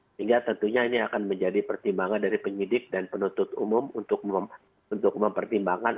sehingga tentunya ini akan menjadi pertimbangan dari penyidik dan penuntut umum untuk mempertimbangkan